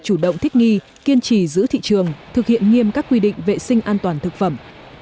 chủ động thích nghi kiên trì giữ thị trường thực hiện nghiêm các quy định vệ sinh an toàn thực phẩm